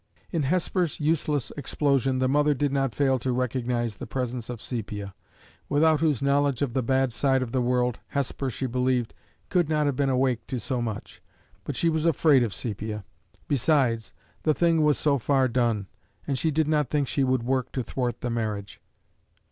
In Hesper's useless explosion the mother did not fail to recognize the presence of Sepia, without whose knowledge of the bad side of the world, Hesper, she believed, could not have been awake to so much. But she was afraid of Sepia. Besides, the thing was so far done; and she did not think she would work to thwart the marriage.